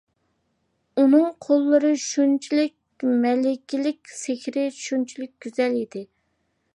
ئۇنىڭ قوللىرى شۇنچىلىك مەلىكىلىك، سېھرىي، شۇنچىلىك گۈزەل ئىدى.